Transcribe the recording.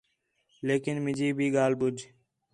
لیکن مینی بھی ڳالھ ٻُجھ